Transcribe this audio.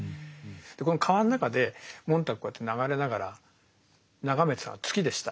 でこの川の中でモンターグこうやって流れながら眺めてたのは月でした。